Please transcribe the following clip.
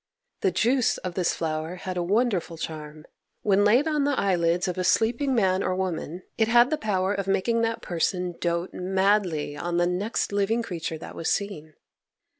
The juice of this flower had a wonderful charm. When laid on the eyelids of a sleeping man or woman it had the power of making that person doat madly on the next living creature that was seen.